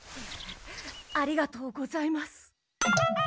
ありがとうございます。